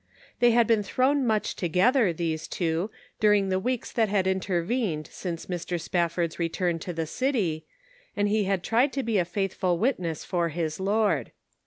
They had been thrown much together, these two, during the weeks that had intervened since Mr. Spafford's return to the city, and he had tried to be a faithful witness for his Lord.